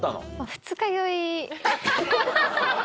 二日酔い。